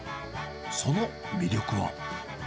その魅力は。